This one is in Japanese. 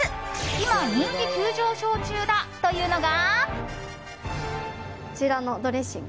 今、人気急上昇中だというのが。